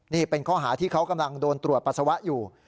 นี่เป็นข้อหาที่เขากำลังโดนตรวจปัสสาวะอยู่